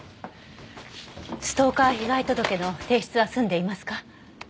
ストーカー被害届の提出は済んでいますか？